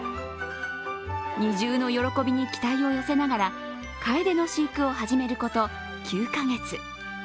二重の喜びに期待を寄せながらかえでの飼育を始めること９カ月。